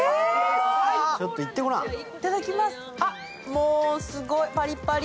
もうすごい、パリパリ！